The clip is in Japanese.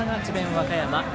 和歌山